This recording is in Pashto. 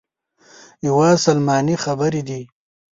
یوه سلماني خبرې دي.